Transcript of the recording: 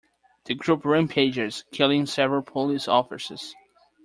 The group rampages, killing several police officers.